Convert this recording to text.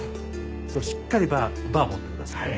そうしっかりバーを持ってくださいね。